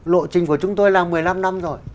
lộ trình của chúng tôi là một mươi năm năm rồi